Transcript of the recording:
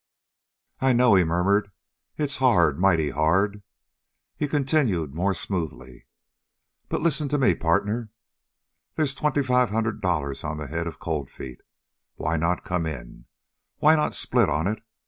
"I know," he murmured. "It's hard mighty hard!" He continued more smoothly: "But listen to me, partner. There's twenty five hundred dollars on the head of Cold Feet. Why not come in? Why not split on it?